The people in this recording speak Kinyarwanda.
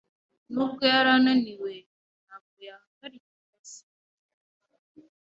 Nubwo yari ananiwe, ntabwo yahagarika akazi.